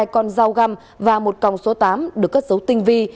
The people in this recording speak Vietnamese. hai con dao găm và một còng số tám được cất dấu tinh vi